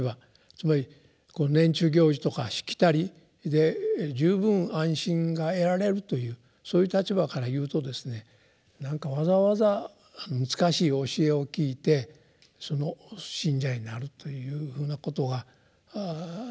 つまり年中行事とかしきたりで十分安心が得られるというそういう立場から言うとですねなんかわざわざ難しい教えを聞いてその信者になるというふうなことが何か不自然な感じがするんでしょうね。